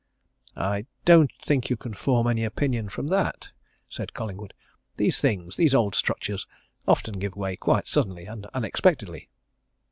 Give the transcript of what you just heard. "I don't think you can form any opinion from that!" said Collingwood. "These things, these old structures, often give way quite suddenly and unexpectedly."